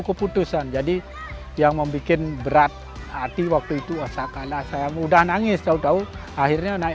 keputusan jadi yang membuat berat hati waktu itu asalkan saya mudah nangis tahu tahu akhirnya naik